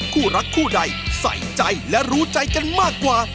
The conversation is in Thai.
คู่รักคู่ใดใส่ใจและรู้ใจกันมากกว่า